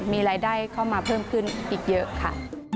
มีรายได้เข้ามาเพิ่มขึ้นอีกเยอะค่ะ